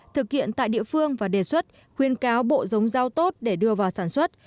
thực hiện tại địa phương và đề xuất khuyên cáo bộ giống rau tốt để đưa vào sản xuất